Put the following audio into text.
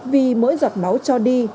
vì mỗi giọt máu cho đi